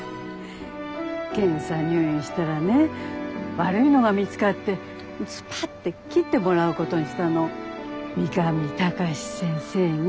検査入院したらね悪いのが見つかってすぱって切ってもらうことにしたの三上高志先生に。